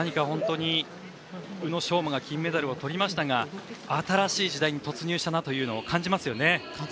宇野昌磨が金メダルをとりましたが新しい時代に突入したなと感じますよね。